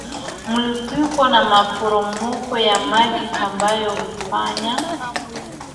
milipuko na maporomoko ya maji ambayo hufanya